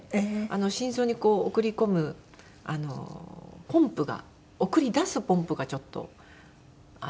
心臓に送り込むポンプが送り出すポンプがちょっとおかしくなって。